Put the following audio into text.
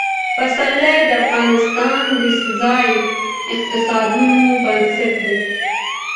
پسرلی د افغانستان د ځایي اقتصادونو بنسټ دی.